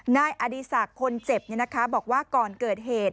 นายอดีศักดิ์คนเจ็บบอกว่าก่อนเกิดเหตุ